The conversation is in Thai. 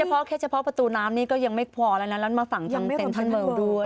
แค่เฉพาะประตูน้ำนี่ก็ยังไม่พอแล้วแล้วมาสั่งทางเซ็นเซ็นเมอร์ด้วย